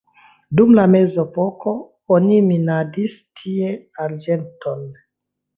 Dum la mezepoko oni minadis tie arĝenton.